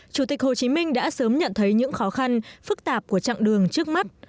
chủ tịch hồ chí minh đã sớm nhận thấy những khó khăn phức tạp của chặng đường trước mắt